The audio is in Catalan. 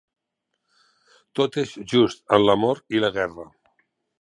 Tot és just en l'amor i la guerra.